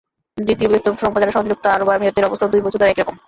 দ্বিতীয় বৃহত্তম শ্রমবাজার সংযুক্ত আরব আমিরাতের অবস্থাও দুই বছর ধরে একই রকম।